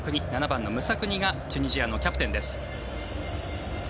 番のムサクニがチュニジアのキャプテンです。